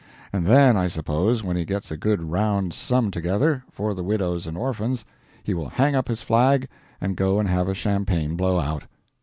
And then, I suppose, when he gets a good round sum together, for the widows and orphans, he will hang up his flag and go and have a champagne blow out.